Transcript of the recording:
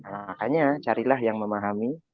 makanya carilah yang memahami